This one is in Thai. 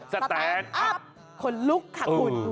สแตนอัพขนลุกขักหุ่น